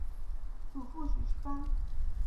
祖父许士蕃。